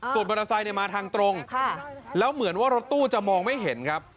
ส่วนมอเตอร์ไซค์มาทางตรงแล้วเหมือนว่ารถตู้จะมองไม่เห็นครับ